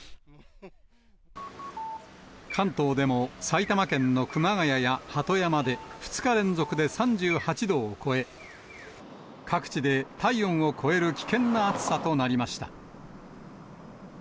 関東でも埼玉県の熊谷や鳩山で、２日連続で３８度を超え、各地で体温を超える危険な暑さとなりました。